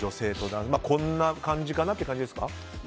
こんな感じかなという感じですか。